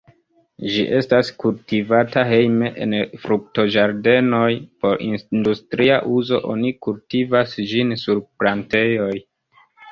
Ĝi estas kultivata hejme, en fruktoĝardenoj, por industria uzo oni kultivas ĝin sur plantejoj.